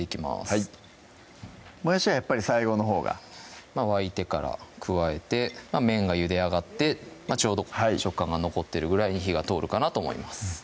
はいもやしはやっぱり最後のほうがまぁ沸いてから加えて麺がゆであがってちょうど食感が残ってるぐらいに火が通るかなと思います